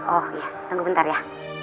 oh iya tunggu bentar ya